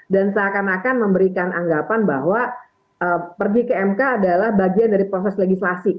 dan seakan akan memberikan anggapan bahwa pergi ke mk adalah bagian dari proses legislasi